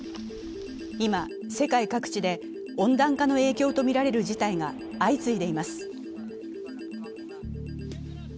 今、世界各地で温暖化の影響とみられる事態が相次いでいます。